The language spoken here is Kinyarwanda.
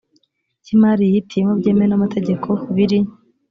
cy imari yihitiyemo byemewe n amategeko biri